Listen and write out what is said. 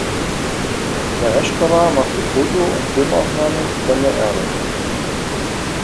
Tereschkowa machte Foto- und Filmaufnahmen von der Erde.